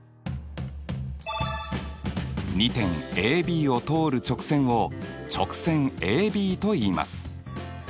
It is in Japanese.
２点ＡＢを通る直線を直線ＡＢといいます。